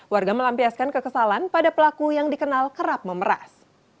warga melampiaskan kekesalan pada pelaku yang dikenal kerap memeras